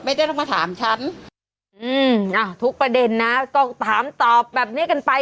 ไม่ได้ต้องมาถามฉันอืมอ่าทุกประเด็นนะก็ถามตอบแบบนี้กันไป